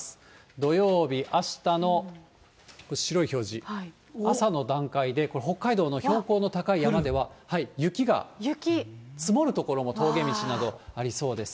土曜日、あしたのこれ、白い表示、朝の段階で、北海道の標高の高い山では雪が積もる所も、峠道などありそうです。